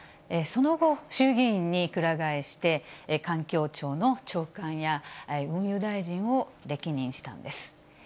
その後、衆議院にくら替えして、環境庁の長官や、運輸大臣を歴任したんです。